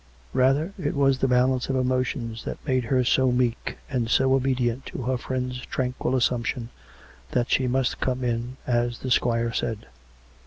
Rather it was the balance of emotions that made her so meek and so obedient to her friend's tranquil assumption that she must come in as the squire said.